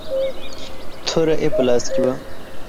توره يې په لاس کې وه.